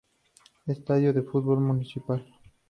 Estadio de fútbol municipal.